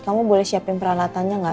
kamu boleh siapin peralatannya nggak